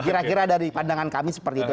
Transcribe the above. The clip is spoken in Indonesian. kira kira dari pandangan kami seperti itu